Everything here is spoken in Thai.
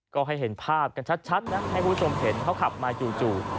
ก็ให้เห็นภาพกันชัดนะให้คุณผู้ชมเห็นเขาขับมาจู่